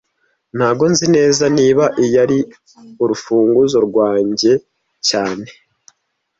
Ntago nzi neza niba iyi ari urufunguzo rwanjye cyane